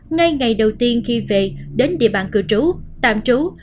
ngay ngày đầu tiên khi về đến địa bàn cư trú tạm trú